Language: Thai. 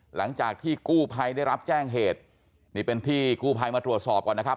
หลังจากที่กู้ภัยได้รับแจ้งเหตุนี่เป็นที่กู้ภัยมาตรวจสอบก่อนนะครับ